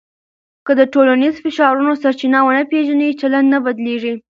که د ټولنیزو فشارونو سرچینه ونه پېژنې، چلند نه بدلېږي.